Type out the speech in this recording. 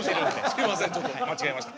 すいませんちょっと間違えました。